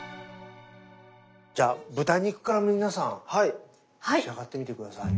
じゃあ豚肉から皆さん召し上がってみて下さい。